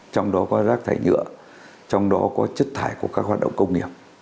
trong đó có rác thải nhựa trong đó có chất thải của các hoạt động công nghiệp